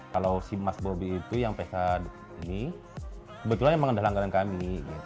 kalau si mas bobi itu yang pesa ini kebetulan memang adalah langganan kami